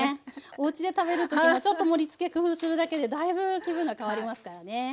おうちで食べる時もちょっと盛りつけ工夫するだけでだいぶ気分が変わりますからね。